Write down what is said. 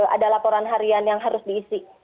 ada laporan harian yang harus diisi